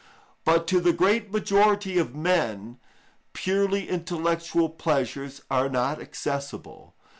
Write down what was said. But to the great majority of men purely intellectual pleasures are not accessible.